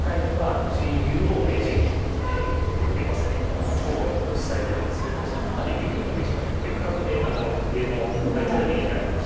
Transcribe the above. ７個保持されているんですけれどもその中で竜王と名人はちょっと別格で上のタイトルになりまして。